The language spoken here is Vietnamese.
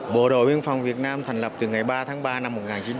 bộ đội biên phòng việt nam thành lập từ ngày ba tháng ba năm một nghìn chín trăm bảy mươi